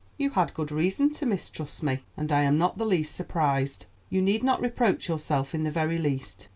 "You had good reasons to mistrust me, and I am not the least surprised. You need not reproach yourself in the very least.